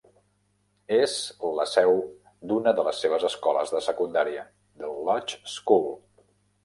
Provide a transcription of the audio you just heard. És la seu d'una de les seves escoles de secundària, The Lodge School.